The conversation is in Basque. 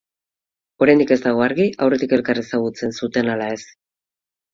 Oraindik ez dago argi aurretik elkar ezagutzen zuten ala ez.